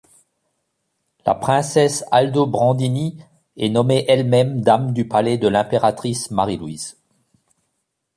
La princesse Aldobrandini est nommée elle-même dame du palais de l'Impératrice Marie-Louise.